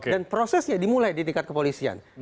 dan prosesnya dimulai di tingkat kepolisian